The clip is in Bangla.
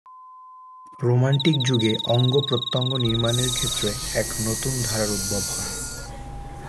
রোমান্টিক যুগে অঙ্গ-প্রত্যঙ্গ নির্মাণের ক্ষেত্রে এক নতুন ধারার উদ্ভব হয়।